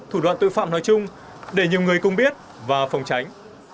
thủ đoạn tội phạm nói chung để nhiều người cùng biết và phòng tránh